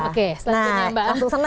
oke selanjutnya mbak